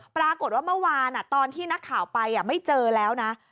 ปรากฏว่าเมื่อวานตอนที่นักข่าวไปไม่เจอแล้วนะ